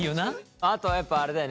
あとはやっぱあれだよね